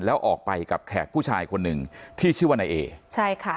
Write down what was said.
แล้วออกไปกับแขกผู้ชายคนหนึ่งที่ชื่อว่านายเอใช่ค่ะ